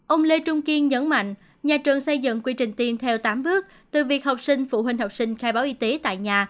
ông lê trung kiên nhấn mạnh nhà trường xây dựng quy trình tiêm theo tám bước từ việc học sinh phụ huynh học sinh khai báo y tế tại nhà